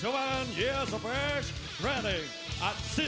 แมนแมน